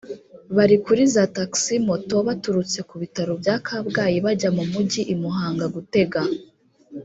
Bari kuri za taxi moto baturutse ku bitaro bya Kabgayi bajya mu mugi i Muhanga gutega